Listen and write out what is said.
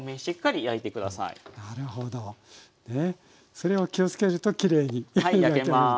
それを気を付けるときれいに焼けるんですね。